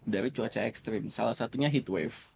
dari cuaca ekstrim salah satunya heat wave